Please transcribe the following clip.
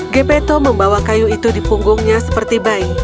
gepetto membawa kayu itu di punggungnya seperti bayi